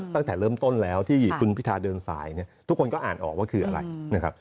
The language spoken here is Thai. ตั้งแต่เริ่มต้นแล้วที่คุณพิทาเดินสายเนี่ยทุกคนก็อ่านออกว่าคืออะไรนะครับ